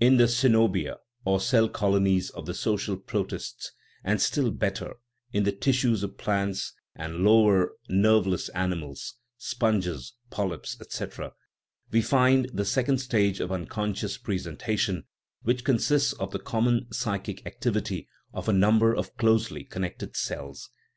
In the ccenobia or cell colonies of the social protists, and still better in the tissues of plants and lower, nerveless animals (sponges, polyps, etc.), we find the second stage of unconscious presentation, which consists of the common psychic ac tivity of a number of closely connected cells.